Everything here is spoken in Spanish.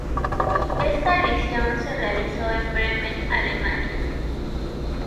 Esta edición se realizó en Bremen, Alemania.